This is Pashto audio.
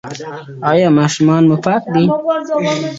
له ستړتیا یې خوږېدی په نس کي سږی!!